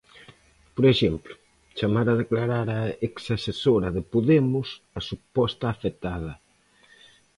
Por exemplo, chamar a declarar á exasesora de Podemos, a suposta afectada.